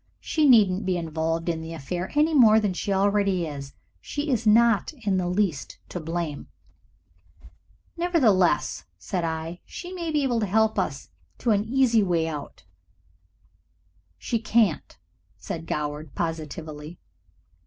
"She needn't be involved in the affair any more than she already is. She is not in the least to blame." "Nevertheless," said I, "she may be able to help us to an easy way out " "She can't," said Goward, positively.